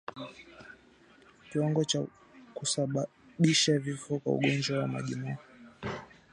Kiwango cha kusababisha vifo kwa ugonjwa wa majimoyo